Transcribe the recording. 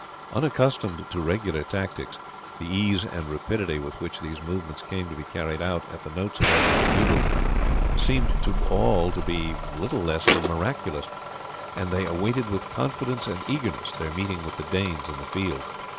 Unaccustomed to regular tactics the ease and rapidity with which these movements came to be carried out at the notes of Edmund's bugle seemed to all to be little less than miraculous, and they awaited with confidence and eagerness their meeting with the Danes on the field.